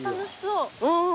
うん。